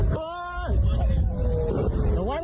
กระวังกระวัง